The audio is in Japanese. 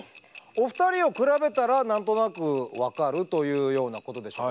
お二人を比べたら何となく分かるというようなことでしょう。